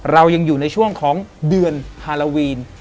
เรายังอยู่ในช่วงของเดือนฮาโลวีน